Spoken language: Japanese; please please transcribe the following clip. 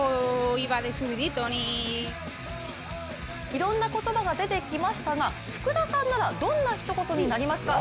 いろんな言葉が出てきましたが福田さんなら、どんなひと言になりますか？